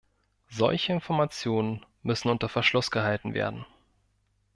Solche Informationen müssen unter Verschluss gehalten werden.